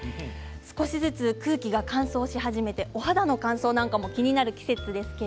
少し空気が乾燥し始めてお肌の乾燥も気になる季節です。